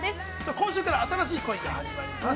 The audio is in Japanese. ◆今週から新しい恋が始まります。